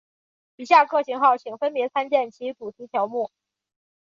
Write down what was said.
以下各型号请分别参见其主题条目。